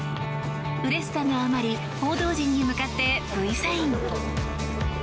うれしさのあまり報道陣に向かってＶサイン。